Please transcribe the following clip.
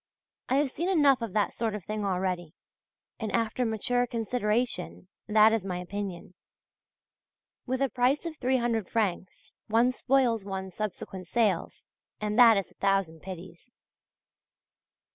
I have seen enough of that sort of thing already, and after mature consideration that is my opinion. With a price of 300 francs one spoils one's subsequent sales, and that is a thousand pities.